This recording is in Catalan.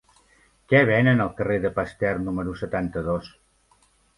Què venen al carrer de Pasteur número setanta-dos?